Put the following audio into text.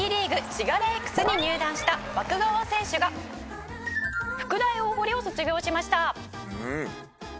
滋賀レイクスに入団した湧川選手が福大大濠を卒業しました」